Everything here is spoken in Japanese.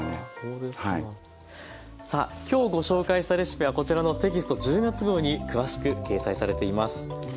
さあ今日ご紹介したレシピはこちらのテキスト１０月号に詳しく掲載されています。